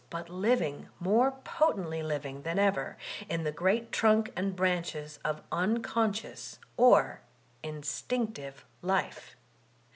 Lum a87 but living, more potently living than ever, in the great trunk and branches of unconscious, or instinctive life.